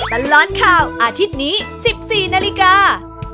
กันร้อนข่าวอาทิตย์นี้๑๔นาฬิกา